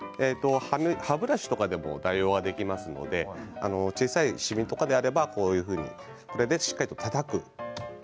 歯ブラシとかでも代用はできますので小さいしみとかであればこれで、しっかりたたく。